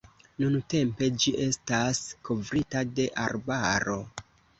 Nuntempe ĝi estas kovrita de arbaro.